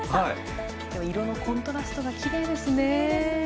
色のコントラストがきれいですね。